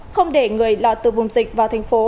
không để người lọt từ vùng dịch vào thành phố